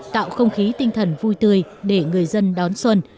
tạo không khí tinh thần vui tươi để người dân đón xuân